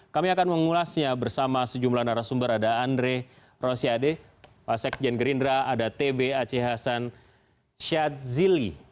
kami akan mengulasnya bersama sejumlah narasumber ada andre rosiade pak sekjen gerindra ada tb aceh hasan syadzili